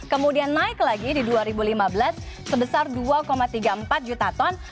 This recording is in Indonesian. kemudian naik lagi di dua ribu lima belas sebesar dua tiga puluh empat juta ton